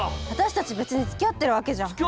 私たち別に付き合ってるわけじゃ。